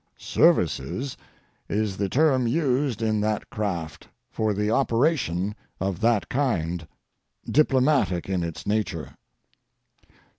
"Services" is the term used in that craft for the operation of that kind diplomatic in its nature.